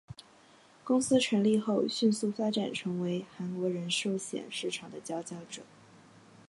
公司成立后迅速发展成为韩国人寿险市场的佼佼者。